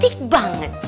jadi cantik banget